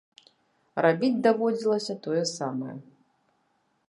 Рабіць даводзілася тое самае.